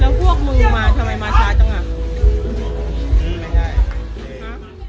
แล้วพวกมึงมาทำไมมาช้าจังอ่ะ